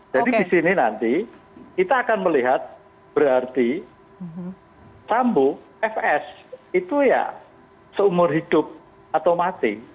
jadi di sini nanti kita akan melihat berarti tambuh fs itu ya seumur hidup atau mati